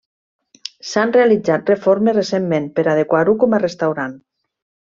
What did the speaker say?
S'han realitzat reformes recentment per adequar-ho com a restaurant.